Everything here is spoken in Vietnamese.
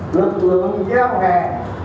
lực lượng giao hàng